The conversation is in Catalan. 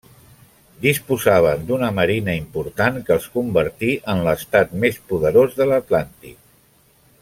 Disposaven d'una marina important que els convertí en l'estat més poderós de l'Atlàntic.